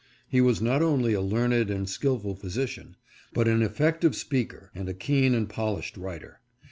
He was not only a learned and skillful physician, but an effective speaker, and a keen and polished writer.